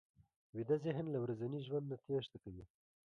ویده ذهن له ورځني ژوند نه تېښته کوي